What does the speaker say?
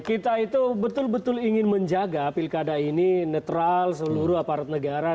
kita itu betul betul ingin menjaga pilkada ini netral seluruh aparat negara